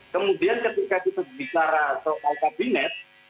kemudian ketika kita bicara soal kabinet